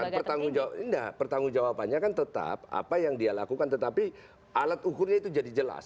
nah tentu kan pertanggung jawab nah pertanggung jawabannya kan tetap apa yang dia lakukan tetapi alat ukurnya itu jadi jelas